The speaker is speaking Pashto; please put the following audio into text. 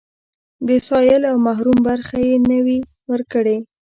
د سايل او محروم برخه يې نه وي ورکړې.